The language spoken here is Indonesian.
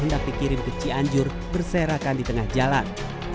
hendak dikirim ke cianjur berserakan di tengah jalan